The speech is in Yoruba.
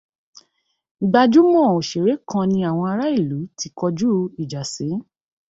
Gbajúmọ̀ òṣèré kan ni àwọn aráìlú ti kọjú ìjà sí